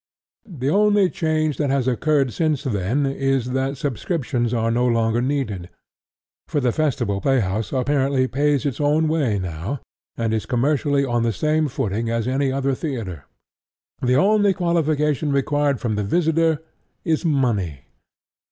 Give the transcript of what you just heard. The only change that has occurred since then is that subscriptions are no longer needed; for the Festival Playhouse apparently pays its own way now, and is commercially on the same footing as any other theatre. The only qualification required from the visitor is money.